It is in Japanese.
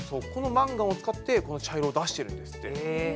このマンガンを使ってこの茶色を出してるんですって。